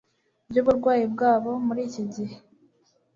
by'uburwayi bwabo. muri iki gihe